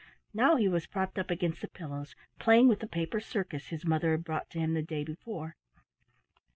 Now he was propped up against the pillows playing with the paper circus his mother had brought to him the day before.